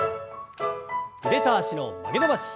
腕と脚の曲げ伸ばし。